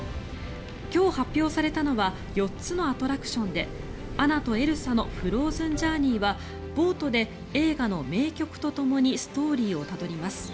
今日発表されたのは４つのアトラクションでアナとエルサのフローズンジャーニーはボートで映画の名曲とともにストーリーをたどります。